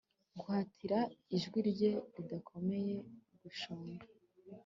guhatira ijwi rye ridakomeye gushonga